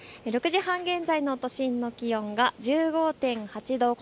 ６時半現在の都心の気温が１５．８度。